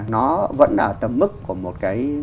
nó vẫn ở tầm mức của một cái